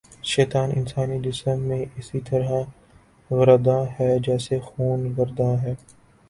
شیطان انسانی جسم میں اسی طرح گرداں ہے جیسے خون گرداں ہے